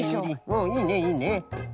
うんいいねいいね。